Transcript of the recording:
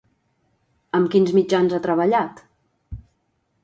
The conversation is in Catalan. Amb quins mitjans ha treballat?